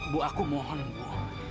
bu aku mohon bu